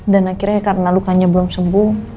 dan akhirnya karena lukanya belum sembuh